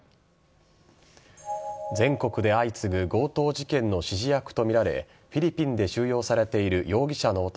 全国で相次ぐ強盗事件の指示役とみられフィリピンで収容されている容疑者の男